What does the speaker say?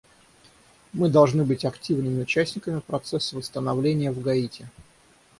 Мы должны быть активными участниками процесса восстановления в Гаити.